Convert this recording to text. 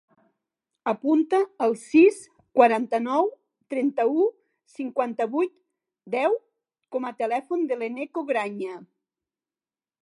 Apunta el sis, quaranta-nou, trenta-u, cinquanta-vuit, deu com a telèfon de l'Eneko Graña.